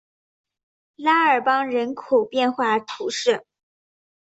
拉尔邦人口变化图示